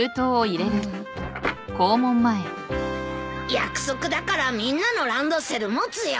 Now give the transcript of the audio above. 約束だからみんなのランドセル持つよ。